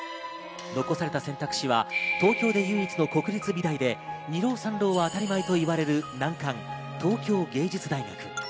残された選択肢は東京で唯一の国立美大で、２浪３浪は当たり前と言われる難関、東京藝術大学。